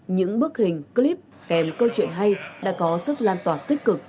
những bức hình clip kèm câu chuyện hay đã có sức lan tỏa tích cực